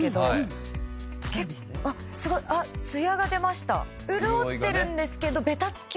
すごいあっツヤが出ました。